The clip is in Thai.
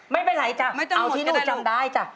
ไม่เป็นไรจ้ะเอาที่น่าจะจำได้จ้ะ